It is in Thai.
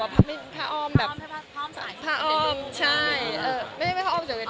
พระออมทั้งหมด